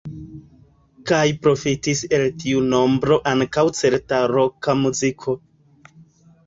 Kaj profitis el tiu nombro ankaŭ certa roka muziko.